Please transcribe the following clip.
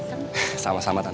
kalau aku pintu diu siapa tuh aku